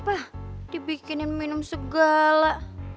apa dibikinin minum segala